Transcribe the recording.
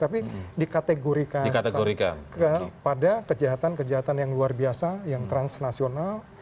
tapi dikategorikan sampai kepada kejahatan kejahatan yang luar biasa yang transnasional